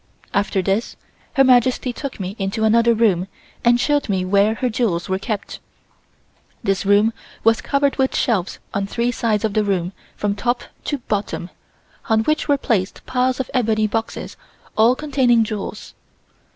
After this Her Majesty took me into another room and showed me where her jewels were kept. This room was covered with shelves on three sides of the room from top to bottom, on which were placed piles of ebony boxes all containing jewels.